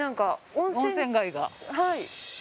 温泉街が。